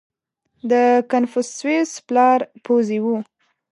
• د کنفوسیوس پلار پوځي و.